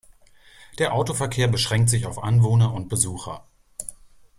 Der Autoverkehr beschränkt sich auf Anwohner und Besucher.